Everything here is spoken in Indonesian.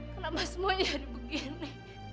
kenapa semuanya begini